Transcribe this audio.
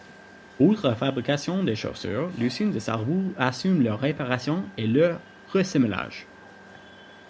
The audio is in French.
Outre la fabrication de chaussures, l'usine de Sarrebourg assure leur réparation et leur ressemelage.